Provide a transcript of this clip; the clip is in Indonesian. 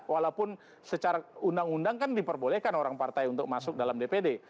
walaupun secara undang undang kan diperbolehkan orang partai untuk masuk dalam dpd